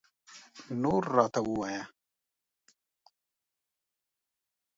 نور راته ووایه